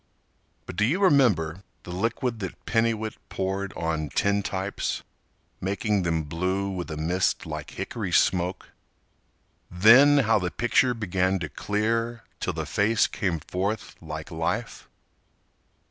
But do you remember the liquid that Penniwit Poured on tintypes making them blue With a mist like hickory smoke? Then how the picture began to clear Till the face came forth like life?